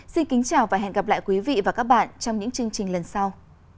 xin kính chào và hẹn gặp lại quý vị và các bạn trong những chương trình lần sau